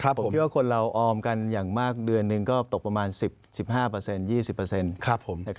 ผมคิดว่าคนเราออมกันอย่างมากเดือนหนึ่งก็ตกประมาณ๑๐๑๕เปอร์เซ็นต์๒๐เปอร์เซ็นต์